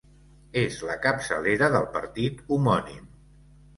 És la capçalera del partit homònim.